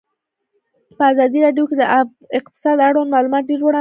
په ازادي راډیو کې د اقتصاد اړوند معلومات ډېر وړاندې شوي.